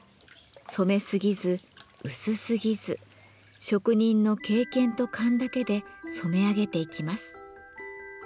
染めすぎず薄すぎず職人の経験と勘だけで染め上げていきます。